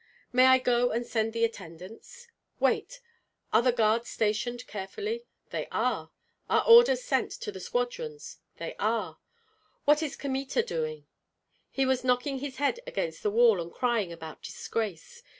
"May I go and send the attendants?" "Wait! Are the guards stationed carefully?" "They are." "Are orders sent to the squadrons?" "They are." "What is Kmita doing?" "He was knocking his head against the wall and crying about disgrace.